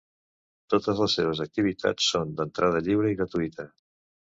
Totes les seves activitats són d'entrada lliure i gratuïta.